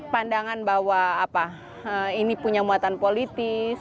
pandangan bahwa ini punya muatan politis